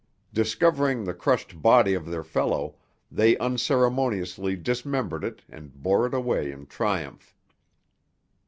Discovering the crushed body of their fellow, they unceremoniously dismembered it and bore it away in triumph.